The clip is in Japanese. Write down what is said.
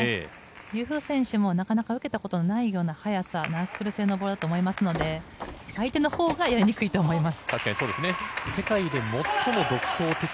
ユー・フー選手もなかなか受けたことのような速さナックル性のボールだと思いますので相手のほうがやりにくいと思います。